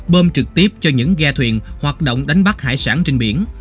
bơm trực tiếp cho những ghe thuyền hoạt động đánh bắt hải sản trên biển